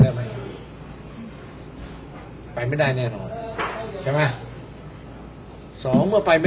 ฝึกไปได้แน่นอนใช่ไหม